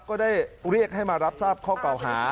ก็ได้เรียกให้มารับทราบข้อเก่าหา